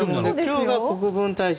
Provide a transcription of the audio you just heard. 今日が国分太一